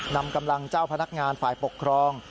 นำกำลังเจ้าพนักงานฝ่ายปกครอง